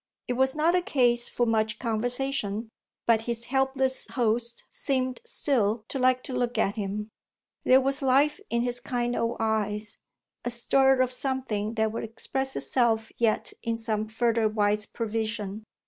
It was not a case for much conversation, but his helpless host seemed still to like to look at him. There was life in his kind old eyes, a stir of something that would express itself yet in some further wise provision.